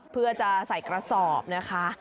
เพื่อจะใส่กระสอบนะคะ